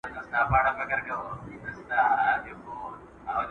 د پوهنې په لاره کې له هېڅ ډول سرښندنې څخه دریغ مه کوئ.